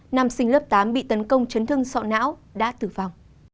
nam sinh lớp tám bị tấn công chấn thương sọ não đã tử vong